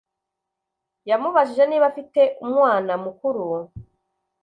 yamubajije niba afite umwna mukuru